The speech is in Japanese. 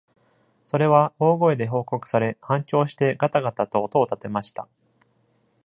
それは大声で報告され、反響してがたがたと音を立てました。